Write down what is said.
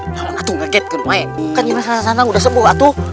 kalau nanti nge get ke rumah kan ini masalah santang sudah sembuh